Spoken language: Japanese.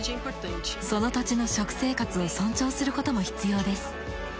その土地の食生活を尊重することも必要です。